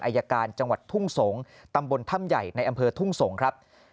อายการจังหวัดทุ่งสงศ์ตำบลถ้ำใหญ่ในอำเภอทุ่งสงศ์ครับ